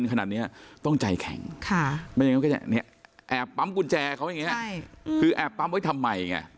ค่ะแอบปั๊มกุญแจเขาอย่างเงี้ยคือแอบปั๊มไว้ทำไมไง